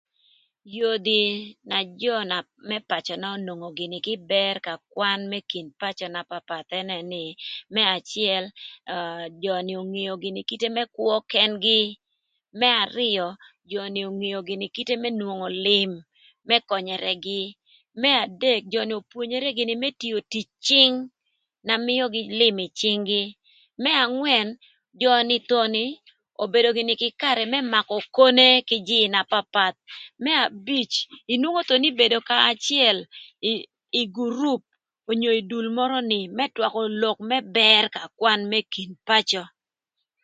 Yodhi na jö më pacöna nwongo gïnï më bër ka kwan më kin pacö na papath ënë nï më acël aa jö ni ongeo kite më kwö kën-gï, më arïö jö ni ongeo gïnï kite më nwongo lïm më könyërëgï, më adek jö ni opwonyere gïnï më tio tic cïng na mïögï lïm ï cing-gï, më angwën jö ni thon obedo gïnï kï karë më makö okone kï jïï na papath, më abic inwongo thon nï bedo kanya acël ï gurup onyo ï dul mörö ni më twakö lok më bër ka kwan më kin pacö.